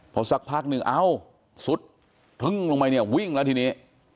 พอสักพักหนึ่งเอ้าซุดทึ่งลงไปเนี่ยวิ่งแล้วทีนี้